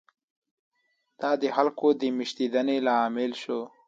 دا د خلکو د مېشتېدنې لامل شو.